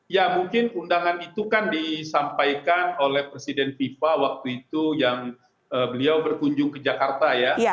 ya mungkin undangan itu kan disampaikan oleh presiden fifa waktu itu yang beliau berkunjung ke jakarta ya